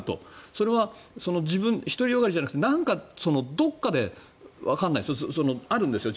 それは独りよがりじゃなくてどこかでわからないですよあるんですよ